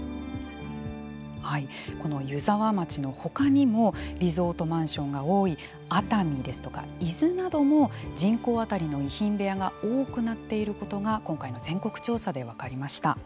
この湯沢町の他にもリゾートマンションが多い熱海ですとか、伊豆なども人口当たりの遺品部屋が多くなっていることが今回の全国調査で分かりました。